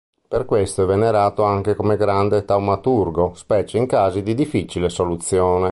Per questo è venerato anche come grande taumaturgo specie in casi di difficile soluzione.